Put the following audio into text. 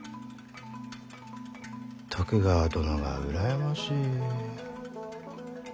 徳川殿が羨ましい。